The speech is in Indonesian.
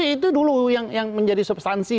itu dulu yang menjadi substansi